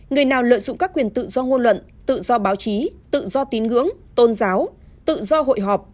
người nào lợi dụng các quyền tự do ngôn luận tự do báo chí tự do tín ngưỡng tôn giáo tự do hội họp